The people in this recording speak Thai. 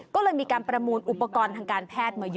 ก็เลยมีการประมูลอุปกรณ์ทางการแพทย์มาเยอะ